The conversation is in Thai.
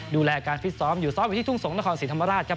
ดูแลการฟิตซ้อมอยู่ซ้อมอยู่ที่ทุ่งสงนครศรีธรรมราชครับ